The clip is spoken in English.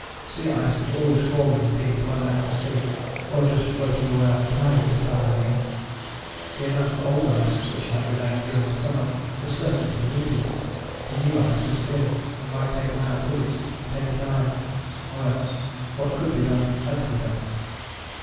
Sea ice is always forming and being blown out to sea, or just floating away on the tide at this time of year. The amount of old ice which had remained during the summer was certain to be limited: the new ice was thin and might take them out with it at any time. However, what could be done had to be done.